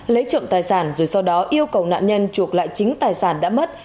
lấy trộm tài sản rồi sau đó yêu cầu nạn nhân chuộc lại chính tài sản đã mất